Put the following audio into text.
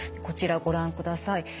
こちらご覧ください。